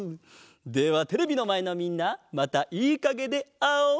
ではテレビのまえのみんなまたいいかげであおう！